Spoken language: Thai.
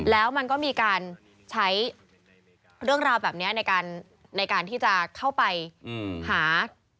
แล้วมันก็มีการใช้เรื่องราวแบบนี้ในการที่จะเข้าไปหา